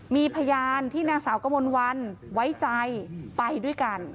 มีพยานที่นางสาวกมลวันไว้ใจไปด้วยกัน